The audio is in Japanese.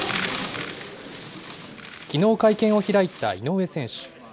きのう、会見を開いた井上選手。